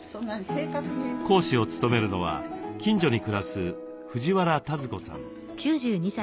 講師を務めるのは近所に暮らす藤原田鶴子さん。